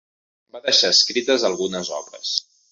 Va deixar escrites algunes obres.